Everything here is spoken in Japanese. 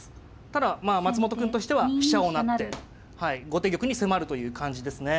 ただまあ松本くんとしては飛車を成って後手玉に迫るという感じですね。